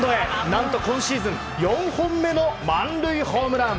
何と今シーズン４本目の満塁ホームラン。